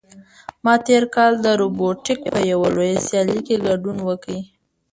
ما تېر کال د روبوټیک په یوه لویه سیالۍ کې ګډون وکړ.